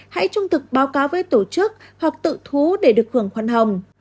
hãy trung thực báo cáo với tổ chức hoặc tự thú để được hưởng khoan hồng